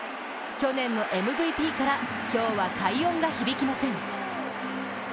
去年のＭＶＰから今日は快音が響きません。